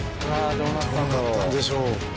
どうなったんでしょう？